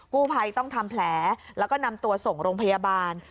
กู้ภัยต้องทำแผลแล้วก็นำตัวส่งโรงพยาบาล